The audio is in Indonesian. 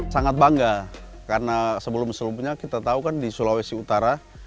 sangat bangga karena sebelum sebelumnya kita tahu kan di sulawesi utara